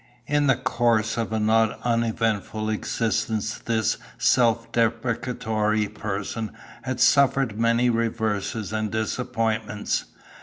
"In the course of a not uneventful existence this self deprecatory person has suffered many reverses and disappointments.